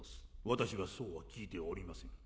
私はそうは聞いておりません